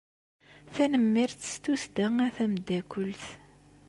Tanemmirt s tussda a tameddakelt.